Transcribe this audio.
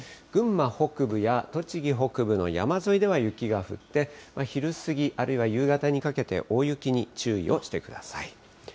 群馬北部や栃木北部の山沿いでは雪が降って、昼過ぎ、あるいは夕方にかけて大雪に注意をしてください。